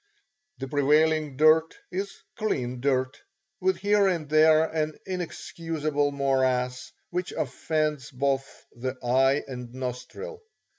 The prevailing dirt is clean dirt, with here and there an inexcusable morass which offends both the eye and the nostril.